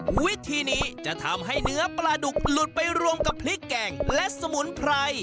วิธีนี้จะทำให้เนื้อปลาดุกหลุดไปรวมกับพริกแกงและสมุนไพร